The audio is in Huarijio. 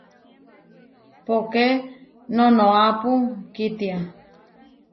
Póke noʼnoápu kítia.